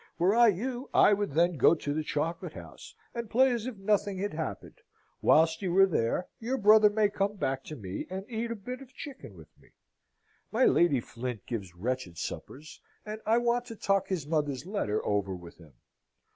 Were I you, I would then go to the Chocolate House, and play as if nothing had happened. Whilst you are there, your brother may come back to me and eat a bit of chicken with me. My Lady Flint gives wretched suppers, and I want to talk his mother's letter over with him.